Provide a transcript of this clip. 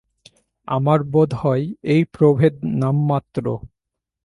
আমার বোধ হয়, এ প্রভেদ নামমাত্র।